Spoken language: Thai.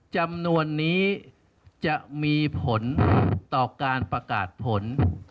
จำนวนนี้จะมีผลต่อการประกาศผล